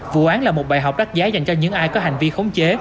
vụ án là một bài học đắt giá dành cho những ai có hành vi khống chế